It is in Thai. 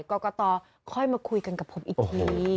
กรกตค่อยมาคุยกันกับผมอีกที